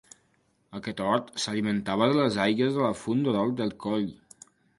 Aquest hort s'alimentava de les aigües de la Font de l'Hort del Coll.